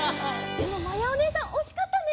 でもまやおねえさんおしかったね。